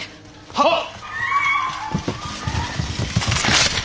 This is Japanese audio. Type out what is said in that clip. はっ！